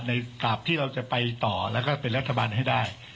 กราบที่เราจะไปต่อแล้วก็เป็นรัฐบาลให้ได้